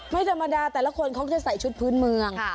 ไม่ธรรมดาแต่ละคนเขาก็จะใส่ชุดพื้นเมือง